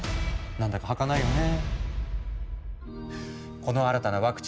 なんだかはかないよね。